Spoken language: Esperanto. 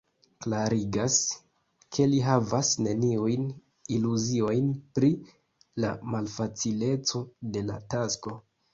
Klariĝas, ke li havas neniujn iluziojn pri la malfacileco de la tasko.